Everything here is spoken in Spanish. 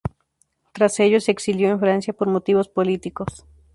Tras ello, se exilió en Francia por motivos políticos.